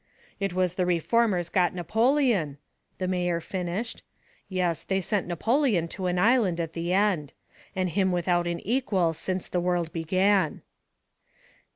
"It was the reformers got Napoleon," the mayor finished. "Yes, they sent Napoleon to an island at the end. And him without an equal since the world began."